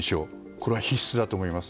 これは必須だと思います。